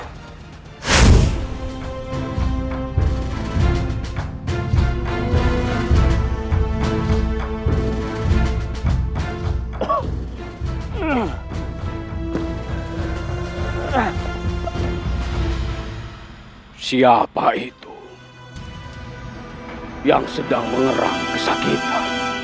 hai siapa itu yang sedang mengerangi kesa kinta